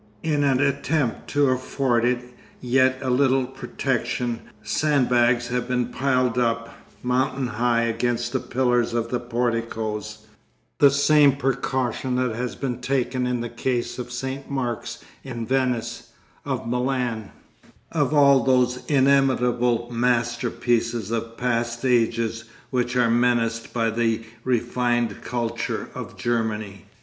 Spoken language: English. In an attempt to afford it yet a little protection sandbags have been piled up, mountain high, against the pillars of the porticoes, the same precaution that has been taken in the case of St. Mark's in Venice, of Milan, of all those inimitable masterpieces of past ages which are menaced by the refined culture of Germany.